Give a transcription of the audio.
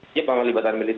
ini pembalasan milik